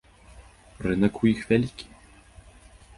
Рынак у іх вялікі.